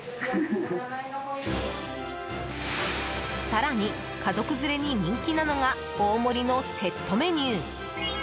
更に、家族連れに人気なのが大盛りのセットメニュー！